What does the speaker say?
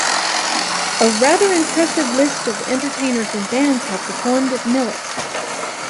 A rather impressive list of entertainers and bands have performed at Millett.